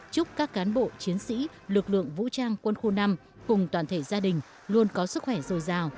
chúc các cán bộ chiến sĩ lực lượng vũ trang quân khu năm cùng toàn thể gia đình luôn có sức khỏe dồi dào